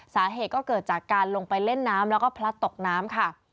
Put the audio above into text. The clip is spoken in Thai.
สาเหตุก็เกิดจากการลงไปเล่นน้ำแล้วก็พลัดตกน้ำค่ะ